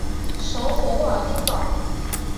首府沃尔丁堡。